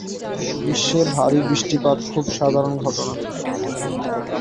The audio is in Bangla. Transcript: গ্রীষ্মে ভারী বৃষ্টিপাত খুব সাধারণ ঘটনা।